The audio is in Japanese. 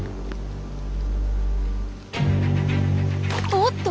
おっと！